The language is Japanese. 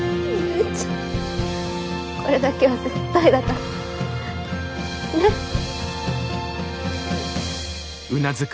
うん。